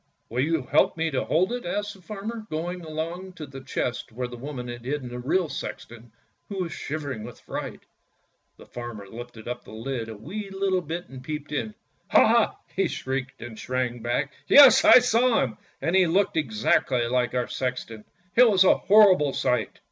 "Will you help me to hold it! " asked the farmer, going along to the chest where the woman had hidden the real sexton, who was shivering with fright. The farmer lifted up the lid a wee little bit and peeped in. " Ha! " he shrieked, and sprang back. ' Yes, I saw him, and he looked just exactly like our sexton! It was a horrible sight."